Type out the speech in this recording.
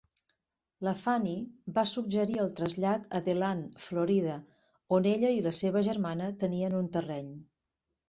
La Fannie va suggerir el trasllat a DeLand, Florida, on ella i la seva germana tenien un terreny.